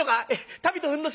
「足袋とふんどしが」。